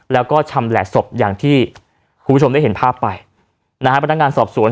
แล้วก็ชำแหละศพอย่างที่คุณผู้ชมได้เห็นภาพไปนะฮะพนักงานสอบสวน